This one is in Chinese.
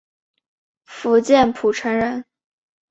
福建浦城人。